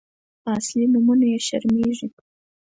_په اصلي نومونو يې شرمېږي.